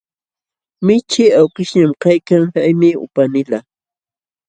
Michii awkishñam kaykan, haymi upanilaq.